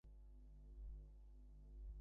শখ ছিল গোড়া থেকে পড়বেন, তা পড়তে পারছেন না।